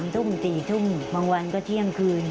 ทุ่ม๔ทุ่มบางวันก็เที่ยงคืน